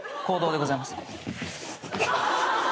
公道でございます。